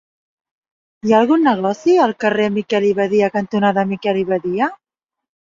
Hi ha algun negoci al carrer Miquel i Badia cantonada Miquel i Badia?